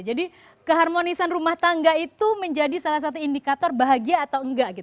jadi keharmonisan rumah tangga itu menjadi salah satu indikator bahagia atau enggak